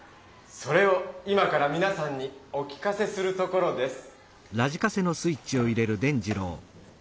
それを今からみなさんにお聴かせするところです。